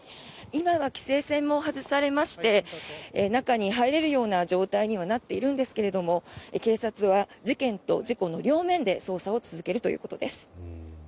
今は規制線も外されまして中に入れるような状態にはなっているんですけれども警察は事件と事故の両面で捜査を続けるということです。